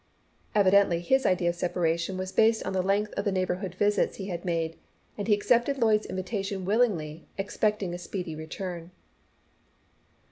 Evidently his idea of separation was based on the length of the neighbourhood visits he had made, and he accepted Lloyd's invitation willingly, expecting a speedy return.